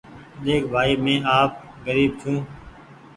ۮيک ڀآئي مينٚ آپ غريب ڇوٚنٚ